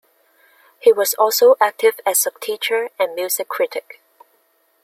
He was also active as a teacher and music critic.